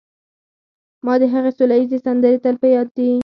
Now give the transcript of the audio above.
ما د هغې سوله ییزې سندرې تل په یاد دي